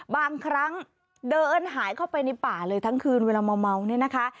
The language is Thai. บางครั้งเดินหายเข้าไปในป่าเลยทั้งคืนเวลาเมาเนี่ยนะคะ